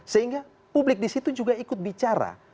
sehingga publik disitu juga ikut bicara